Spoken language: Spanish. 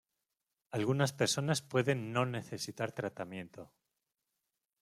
Algunas personas pueden no necesitar tratamiento.